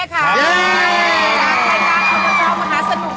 เวลาไทยการความประชาวมหาสนุก